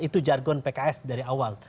itu jargon pks dari awal